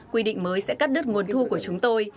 quy định mới sẽ cắt đứt nguồn thu của chúng tôi